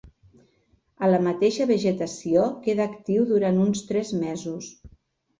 A la mateixa vegetació queda actiu durant uns tres mesos.